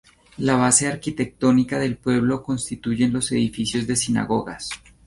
La base arquitectónica del pueblo constituyen los edificios de sinagogas.